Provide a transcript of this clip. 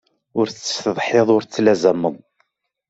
Ur tettsetḥiḍ ur tettlazamed.